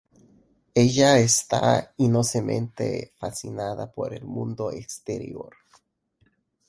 Ella está inocentemente fascinada por el mundo exterior.